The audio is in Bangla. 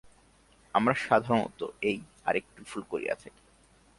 আমরা সাধারণত এই আর একটি ভুল করিয়া থাকি।